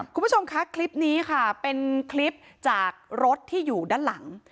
คุณผู้ชมคะคลิปนี้ค่ะเป็นคลิปจากรถที่อยู่ด้านหลัง